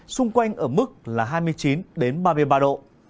xung quanh ở mức là hai mươi chín ba mươi ba độ